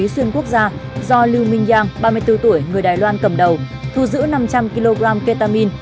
mà túy xuyên quốc gia do lưu minh giang ba mươi bốn tuổi người đài loan cầm đầu thu giữ năm trăm linh kg ketamin